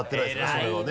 それはね。